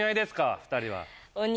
２人は。